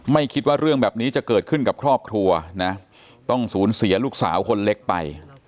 ไม่คิดว่าเรื่องแบบนี้จะเกิดขึ้นกับครอบครัวนะต้องสูญเสียลูกสาวคนเล็กไป